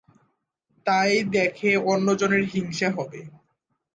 তাই দেখে অন্যজনের হিংসা হবে।